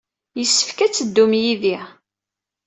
Yessefk ad d-teddum yid-i.